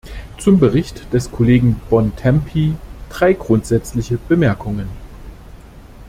Zum Bericht des Kollegen Bontempi drei grundsätzliche Bemerkungen.